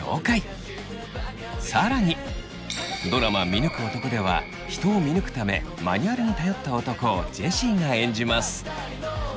「見抜く男」では人を見抜くためマニュアルに頼った男をジェシーが演じます。